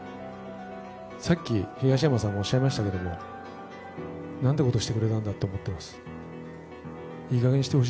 さっき東山さんもおっしゃいましたけども、なんてことしてくれたんだと思ってます。